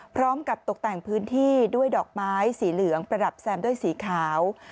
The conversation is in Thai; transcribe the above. ตกแต่งพื้นที่ด้วยดอกไม้สีเหลืองประดับแซมด้วยสีขาว